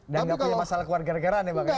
dan tidak punya masalah keluarga kegaraan ya pak ya